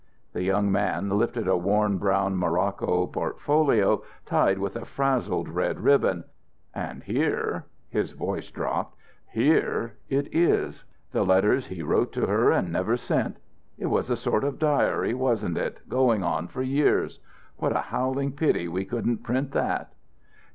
The young man lifted a worn brown morocco portfolio tied with a frazzled red ribbon. "And here" his voice dropped "here is It the letters he wrote to her and never sent. It was a sort of diary, wasn't it, going on for years? What a howling pity we couldn't print that!"